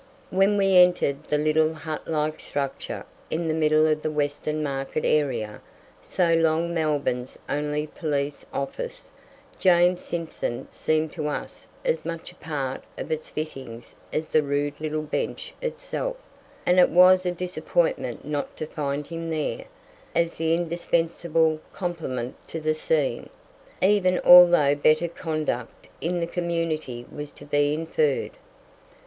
When we entered the little hut like structure in the middle of the Western Market area, so long Melbourne's only police office, James Simpson seemed to us as much a part of its fittings as the rude little bench itself; and it was a disappointment not to find him there, as the indispensable complement to the scene, even although better conduct in the community was to be inferred.